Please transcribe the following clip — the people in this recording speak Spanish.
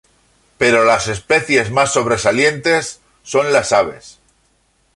Pero las especies más sobresalientes son las aves.